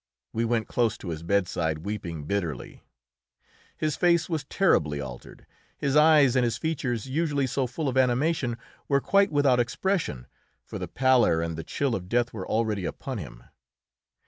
We went close to his bedside, weeping bitterly. His face was terribly altered; his eyes and his features, usually so full of animation, were quite without expression, for the pallor and the chill of death were already upon him.